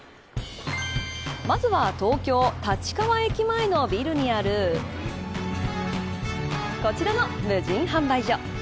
まずは東京・立川駅前のビルにあるこちらの無人販売所。